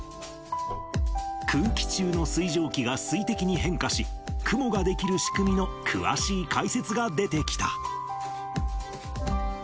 空気中の水蒸気が水滴に変化し、雲が出来る仕組みの詳しい解説が出てきた。